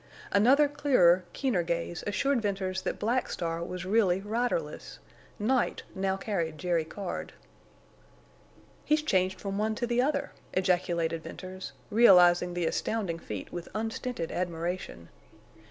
Another clearer, keener gaze assured Venters that Black Star was really riderless. Night now carried Jerry Card. "He's changed from one to the other!" ejaculated Venters, realizing the astounding feat with unstinted admiration.